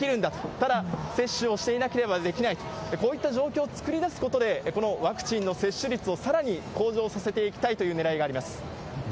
ただ、接種をしていなければできないと、こういった状況を作り出すことで、このワクチンの接種率をさらに向上させていきたいというねらいがあります。